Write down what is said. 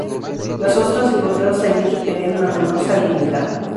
Las ostras encontradas allí requerían una menor salinidad.